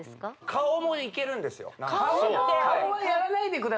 顔もいけるんですよ